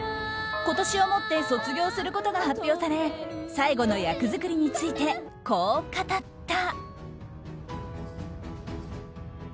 今年をもって卒業することが発表され最後の役作りについてこう語った。